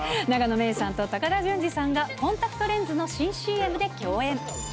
永野芽郁さんと高田純次さんが、コンタクトレンズの新ＣＭで共演。